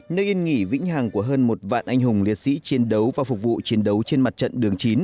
nơi yên nghỉ vĩnh hàng của hơn một vạn anh hùng liệt sĩ chiến đấu và phục vụ chiến đấu trên mặt trận đường chín